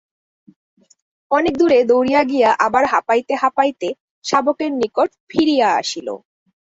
অনেক দূরে দৌড়িয়া গিয়া আবার হাঁপাইতে হাঁপাইতে শাবকের নিকট ফিরিয়া আসিল।